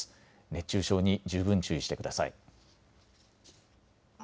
熱中症に十分注意してください。